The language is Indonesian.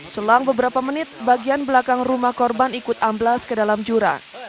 selang beberapa menit bagian belakang rumah korban ikut amblas ke dalam jurang